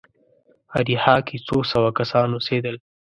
اریحا کې څو سوه کسان اوسېدل.